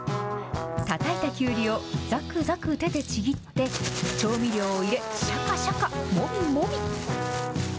たたいたきゅうりをざくざく手でちぎって、調味料を入れ、しゃかしゃか、もみもみ。